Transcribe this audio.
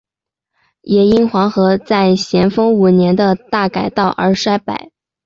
也因黄河在咸丰五年的大改道而衰败。